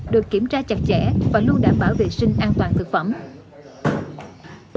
được kiểm tra chặt chẽ và luôn đảm bảo vệ sinh an toàn thực phẩm